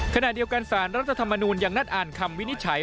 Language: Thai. ขณะเดียวกันสารรัฐธรรมนูลยังนัดอ่านคำวินิจฉัย